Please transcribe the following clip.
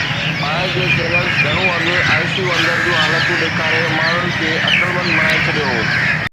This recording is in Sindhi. ٻاهر جي چينلز گهڻو اڳ ICU اندر جون حالتون ڏيکاري ماڻهن کي عقلمند بڻائي ڇڏيو هو